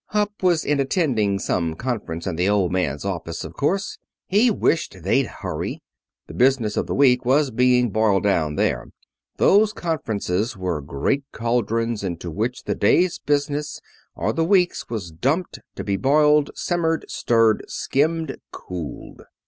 Hupp was in attending some conference in the Old Man's office, of course. He wished they'd hurry. The business of the week was being boiled down there. Those conferences were great cauldrons into which the day's business, or the week's, was dumped, to be boiled, simmered, stirred, skimmed, cooled.